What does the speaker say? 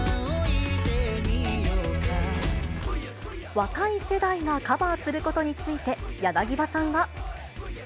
若い世代がカバーすることについて、柳葉さんは。